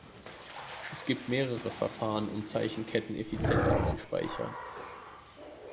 Es gibt mehrere Verfahren, um Zeichenketten effizient abzuspeichern.